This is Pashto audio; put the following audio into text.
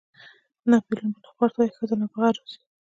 ناپلیون بناپارټ وایي ښځې نابغه روزي.